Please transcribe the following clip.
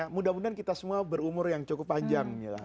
mudah mudahan kita semua berumur yang cukup panjang